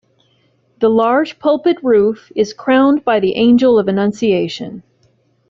The large pulpit roof is crowned by the Angel of Annunciation.